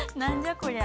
こりゃあ。